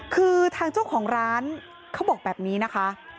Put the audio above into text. คือทางเจ้าของร้านเขาบอกแบบนี้นะคะ